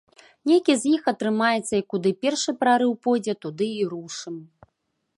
Нейкі з іх атрымаецца, і куды першы прарыў пойдзе, туды і рушым.